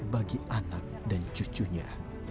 bagi anak dan cucunya